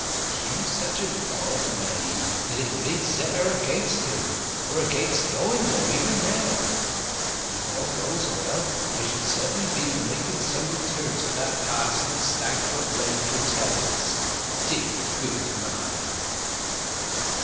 She is such an odd maid that it mid zet her against him, or against going there, even now. If all goes well, I shall certainly be for making some return to pa'son at Stagfoot Lane for telling us—dear, good man!"